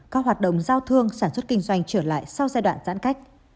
các hoạt động giao thương sản xuất kinh doanh trở lại sau giai đoạn giãn cách